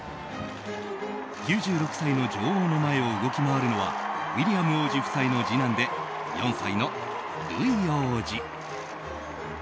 ９６歳の女王の前を動き回るのはウィリアム王子夫妻の次男で４歳のルイ王子。